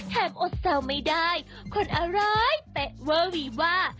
แถมอดเซลไม่ได้คนอร้อยเปะเวอร์วีว่า